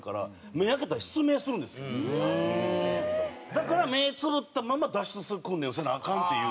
だから目つぶったまま脱出する訓練をせなアカンっていう。